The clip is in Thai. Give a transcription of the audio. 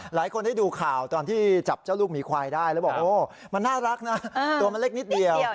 หลายคนได้ดูข่าวตอนที่จับเจ้าลูกหมีควายได้แล้วบอกโอ้มันน่ารักนะตัวมันเล็กนิดเดียว